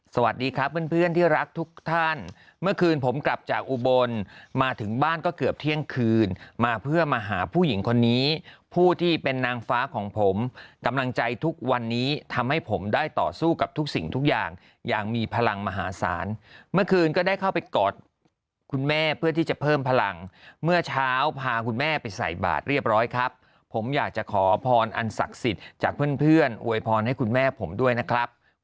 สวัสดีครับเพื่อนที่รักทุกท่านเมื่อคืนผมกลับจากอุบลมาถึงบ้านก็เกือบเที่ยงคืนมาเพื่อมาหาผู้หญิงคนนี้ผู้ที่เป็นนางฟ้าของผมกำลังใจทุกวันนี้ทำให้ผมได้ต่อสู้กับทุกสิ่งทุกอย่างอย่างมีพลังมหาศาลเมื่อคืนก็ได้เข้าไปกอดคุณแม่เพื่อที่จะเพิ่มพลังเมื่อเช้าพาคุณแม่ไปใส่บาทเรียบร้อยคร